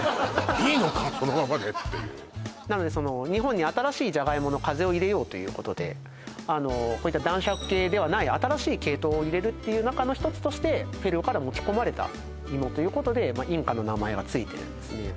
いいのかそのままでっていうなのでその日本に新しいじゃがいもの風を入れようということであのこういった男爵系ではない新しい系統を入れるっていう中の１つとしてペルーから持ち込まれたいもということでインカの名前がついてるんですね